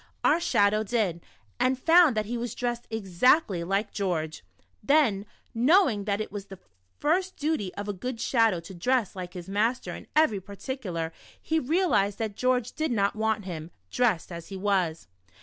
Our Shadow did. and found that he was dressed exactly like George. Then, knowing that it was the first dutv of a ofood Shadow to dress like his master in even. particular, he realized that George g6 The Shadow. did not want him, dressed as he was.